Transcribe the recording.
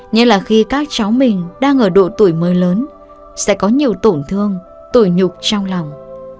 như là khi các cháu mình đang ở độ tuổi mới lớn sẽ có nhiều tổn thương tồi nhục trong lòng